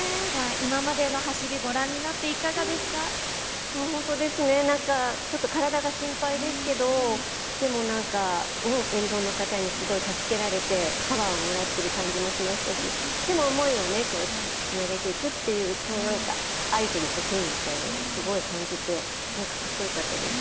今までの走り、ご覧になってもう本当ですね、なんか、ちょっと体が心配ですけど、でもなんか、沿道の方にすごい助けられて、パワーをもらってる感じもしましたし、でも、思いをね、つなげていくっていう、そのなんか、愛というか、誠意みたいなのをすごい感じて、なんかかっこよかったです。